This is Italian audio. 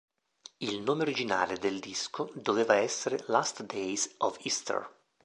Il nome originale del disco doveva essere "Last Days of Easter".